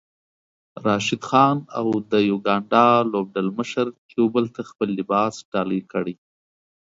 راشد خان او د يوګاندا لوبډلمشر يو بل ته خپل لباس ډالۍ کړی